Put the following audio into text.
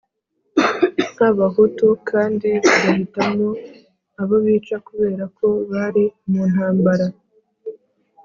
nk Abahutu kandi bagahitamo abo bica kubera ko bari muntambara